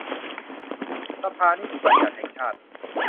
สภานิติบัญญติแห่งชาติ